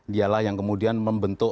dialah yang kemudian membentuk